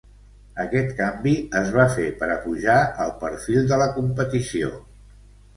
Aquest canvi es va fer per apujar el perfil de la competició.